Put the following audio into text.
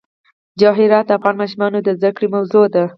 جواهرات د افغان ماشومانو د زده کړې موضوع ده.